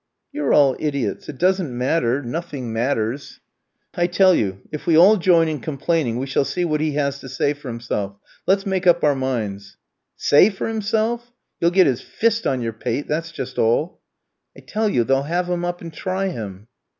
"You're all idiots! It doesn't matter; nothing matters." "I tell you if we all join in complaining we shall see what he has to say for himself. Let's make up our minds." "Say for himself? You'll get his fist on your pate; that's just all." "I tell you they'll have him up, and try him."